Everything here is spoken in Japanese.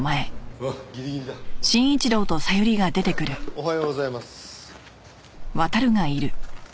おはようございます。